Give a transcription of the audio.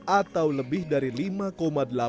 atau lebih dari satu lima juta usd